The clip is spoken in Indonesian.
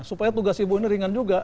supaya tugas ibu ini ringan juga